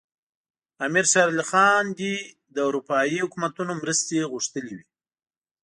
امیر شېر علي خان دې له اروپایي حکومتونو مرستې غوښتلي وي.